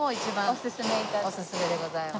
おすすめでございます。